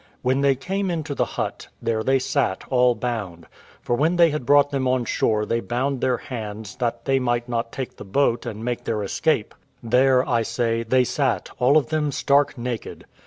When they came into the hut, there they sat, all bound; for when they had brought them on shore they bound their hands that they might not take the boat and make their escape; there, I say, they sat, all of them stark naked.